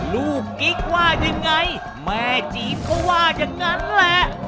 ลูกกิ๊กว่ายังไงแม่จีนเขาว่ายังงั้นแหละ